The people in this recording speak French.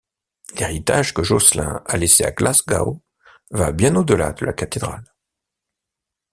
L'héritage que Jocelin a laissé à Glasgow va bien au-delà de la cathédrale.